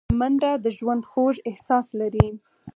منډه د ژوند خوږ احساس لري